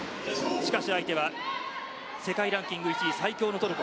しかし相手は世界ランキング１位最強のトルコ。